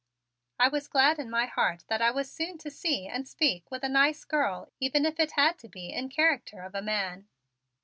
I was glad in my heart that I was soon to see and speak with a nice girl even if it had to be in character of a man.